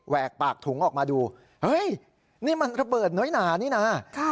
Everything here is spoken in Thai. กปากถุงออกมาดูเฮ้ยนี่มันระเบิดน้อยหนานี่นะ